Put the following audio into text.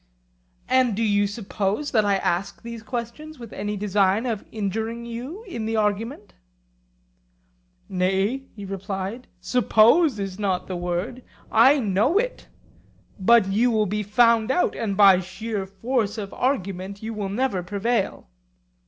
And do you suppose that I ask these questions with any design of injuring you in the argument? Nay, he replied, 'suppose' is not the word—I know it; but you will be found out, and by sheer force of argument you will never prevail.